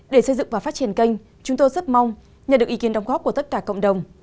để xây dựng và phát triển kênh chúng tôi rất mong nhận được ý kiến đóng góp của tất cả cộng đồng